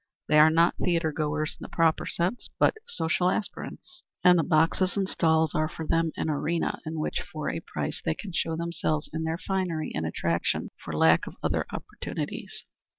They are not theatregoers in the proper sense, but social aspirants, and the boxes and stalls are for them an arena in which for a price they can show themselves in their finery and attractions, for lack of other opportunities.